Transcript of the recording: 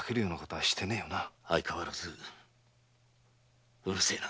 相変わらずうるせえな。